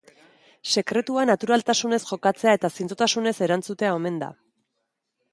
Sekretua naturaltasunez jokatzea eta zintzotasunez erantzutea omen da.